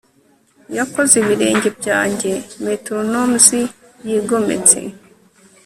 yakoze ibirenge byanjye metronomes yigometse